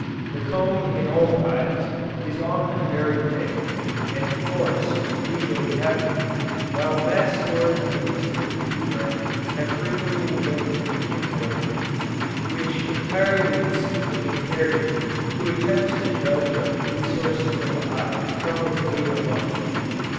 The comb in old hives, is often very thick, and of course, unusually heavy; while vast stores of useless bee bread have frequently been accumulated, which entirely deceive the Apiarian, who attempts to judge of the resources of a hive from its weight alone.